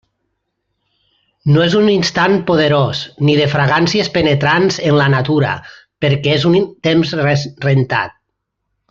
No és un instant poderós, ni de fragàncies penetrants en la natura, perquè és un temps rentat.